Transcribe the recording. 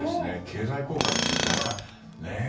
経済効果というかね。